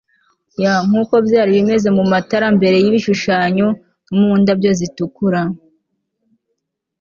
y nkuko byari bimeze mumatara mbere y'ibishushanyo no mu ndabyo zitukura